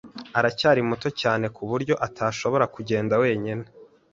aracyari muto cyane kuburyo atashobora kugenda wenyine.